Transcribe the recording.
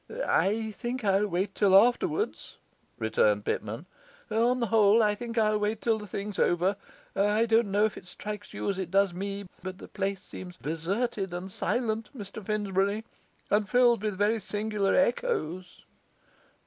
'I think I'll wait till afterwards,' returned Pitman; 'on the whole, I think I'll wait till the thing's over. I don't know if it strikes you as it does me; but the place seems deserted and silent, Mr Finsbury, and filled with very singular echoes.